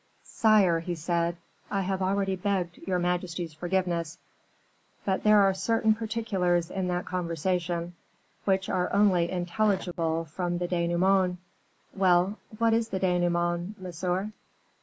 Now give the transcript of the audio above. "Sire," he said, "I have already begged your majesty's forgiveness; but there are certain particulars in that conversation which are only intelligible from the denouement." "Well, what is the denouement, monsieur?"